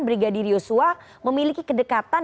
brigadir yosua memiliki kedekatan